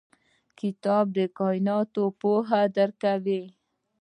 کتاب د کایناتو پوهه درکوي.